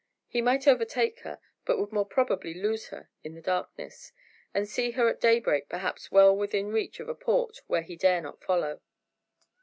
He might overtake her, but would more probably lose her in the darkness, and see her at daybreak perhaps well within reach of a port where he dare not follow.